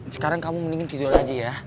sekarang kamu mendingin video aja ya